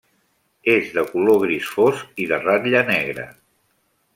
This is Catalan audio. És de color gris fosc i de ratlla negra.